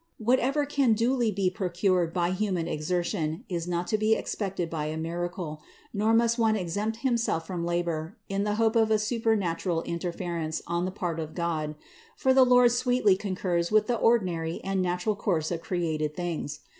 Whatever can duly be procured by human exertion, is not to be expected by a miracle, nor must one try to exempt himself from labor in the hope of a supernatural interference on the part of God; for the Lord sweetly concurs with the ordinary and natural course of created things.